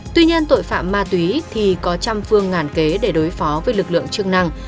tuy nhiên tội phạm ma túy thì có trăm phương ngàn kế để đối phó với lực lượng chức năng